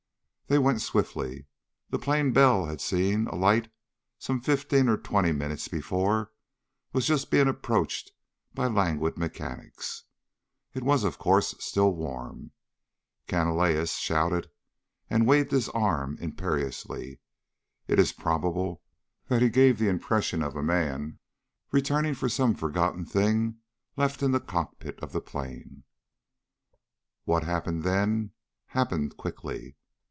They went swiftly. The plane Bell had seen alight some fifteen or twenty minutes before was just being approached by languid mechanics. It was, of course, still warm. Canalejas shouted and waved his arm imperiously. It is probable that he gave the impression of a man returning for some forgotten thing, left in the cockpit of the plane. What happened then, happened quickly.